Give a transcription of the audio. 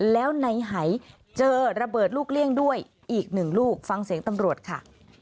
แล้วในหายเจอระเบิดลูกเลี่ยงด้วยอีกหนึ่งลูกฟังเสียงตำรวจค่ะ